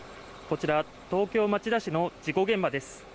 こちら、東京・町田市の事故現場です。